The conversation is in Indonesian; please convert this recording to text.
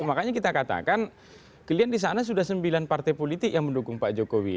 makanya kita katakan kalian di sana sudah sembilan partai politik yang mendukung pak jokowi